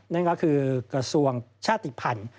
นั่นก็คือกระทรวงชาติภัณฑ์